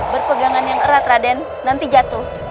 berpegangan yang erat raden nanti jatuh